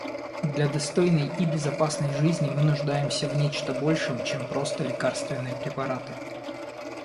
Для достойной и безопасной жизни мы нуждаемся в нечто большем, чем просто лекарственные препараты.